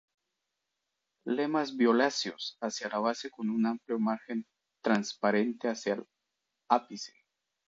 Lemas violáceos hacia la base con un amplio margen transparente hacia el ápice.